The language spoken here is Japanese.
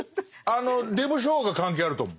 あの出不精が関係あると思う。